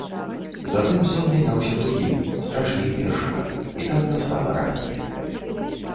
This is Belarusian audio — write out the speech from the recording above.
Затым сон мяняўся другім, страшней першага, і так настала ранне.